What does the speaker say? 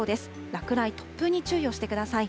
落雷、突風に注意をしてください。